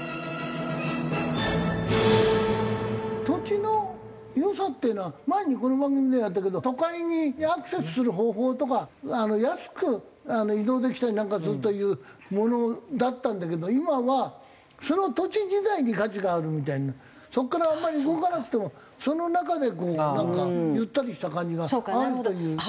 土地の良さっていうのは前にこの番組でもやったけど都会にアクセスする方法とか安く移動できたりなんかするというものだったんだけど今はその土地自体に価値があるみたいにそこからあまり動かなくてもその中でなんかゆったりした感じがあるという。